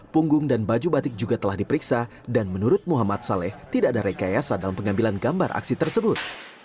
punggung dan baju batik juga telah diperiksa dan menurut muhammad saleh tidak ada rekayasa dalam pengambilan gambar aksi tersebut